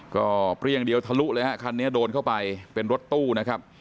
ก็เปรี้ยงเดียวทะลุเลยฮะคันนี้โดนเข้าไปเป็นรถตู้นะครับ